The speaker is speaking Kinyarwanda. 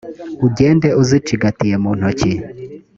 ugende uzicigatiye mu ntoki,